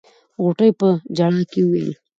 غوټۍ په ژړا کې وويل.